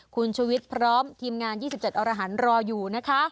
คุณชุวิตพร้อมทีมงาน๒๗อรหันต์รออยู่นะคะ